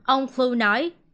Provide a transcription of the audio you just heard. ông klu nói